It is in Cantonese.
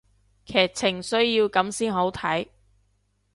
劇情需要噉先好睇